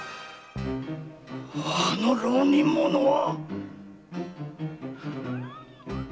あの浪人者は！